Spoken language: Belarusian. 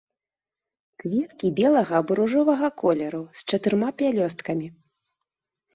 Кветкі белага або ружовага колеру, з чатырма пялёсткамі.